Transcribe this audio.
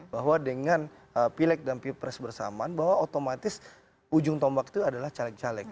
bahwa dengan pilek dan pilpres bersamaan bahwa otomatis ujung tombak itu adalah caleg caleg